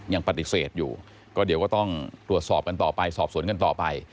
ยังปฏิเสธอยู่ก็เดี๋ยวก็ต้องตรวจสอบกันต่อไปสอบสวนกันต่อไป